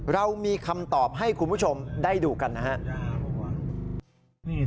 เรามีคำตอบให้คุณผู้ชมได้ดูกันนะครับ